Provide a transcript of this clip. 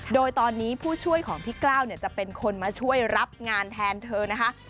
โดยตอนนี้ผู้ช่วยของพี่กล้าวจะเป็นคนมาช่วยรับงานแทนเธอนะคะ